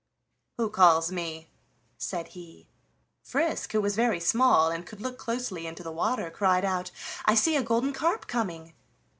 "Who calls me?" said he. Frisk, who was very small and could look closely into the water, cried out: "I see a golden carp coming."